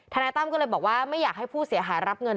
นายตั้มก็เลยบอกว่าไม่อยากให้ผู้เสียหายรับเงิน